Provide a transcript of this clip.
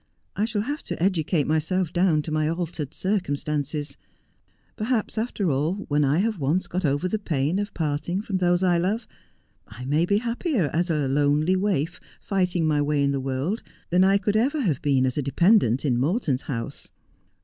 I shall have to educate myself down to my altered circumstances. Perhaps, after all, when I have once got over the pain of parting from those I love, I may be happier as a lonely waif fighting my way in the world than I could ever have been as a dependent in Morion's house.